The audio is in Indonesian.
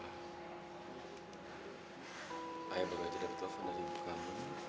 ayah baru aja dapet telepon dari ibu kamu